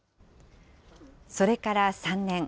それから３年。